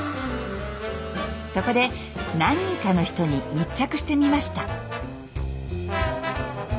そこで何人かの人に密着してみました。